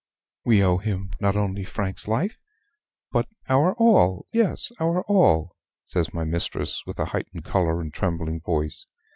We owe him not only Frank's life, but our all yes, our all," says my mistress, with a heightened color and a trembling voice.